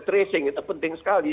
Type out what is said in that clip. tracing itu penting sekali